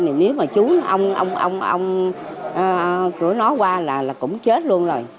thì nếu mà chú ông cửa nó qua là cũng chết luôn rồi